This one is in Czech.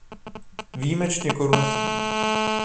Výjimečně koruna chybí.